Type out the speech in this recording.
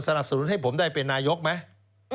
เหล่านี้มีส่วนสนับสนุนให้ผมได้เป็นนายกก็ต้องมีถูกไหม